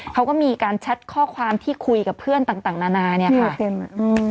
เขาก็มีการแชทข้อความที่คุยกับเพื่อนต่างต่างนานาเนี่ยค่ะอืม